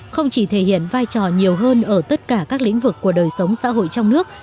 không chỉ thể hiện vai trò nhiều hơn ở tất cả các lĩnh vực của đời sống xã hội trong nước